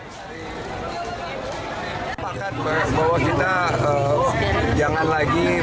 sejumlah warga yang mengeluhkan harga bahan kebutuhan pokok dan sulitnya lapangan kerja